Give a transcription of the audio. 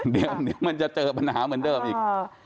เดี๋ยวมันจะเจอปัญหาเหมือนเดิมอีก